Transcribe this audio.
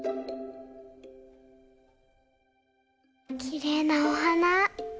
きれいなおはな。